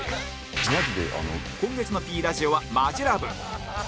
今月の Ｐ ラジオはマヂラブ